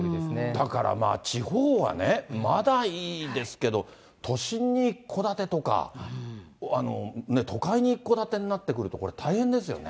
だからまあ、地方はね、まだいいですけど、都心に一戸建てとか、都会に一戸建てになってくると、これ、大変ですよね。